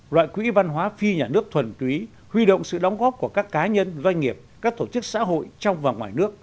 loại quỹ văn hóa phi nhà nước thuần túy huy động sự đóng góp của các cá nhân doanh nghiệp các tổ chức xã hội trong và ngoài nước